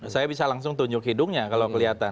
saya bisa langsung tunjuk hidungnya kalau kelihatan